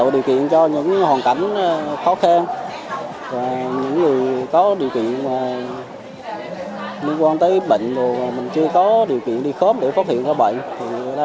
bên cạnh chương trình thăm khám sức khỏe